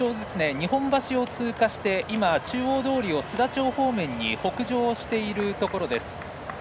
日本橋を通過して今、中央通りを須田町方面に北上しているところです。